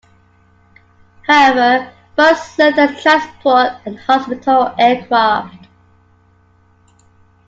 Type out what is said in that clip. However, most served as transport and hospital aircraft.